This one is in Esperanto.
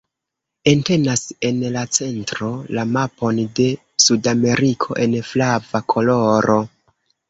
Entenas en la centro, la mapon de Sudameriko en flava koloro.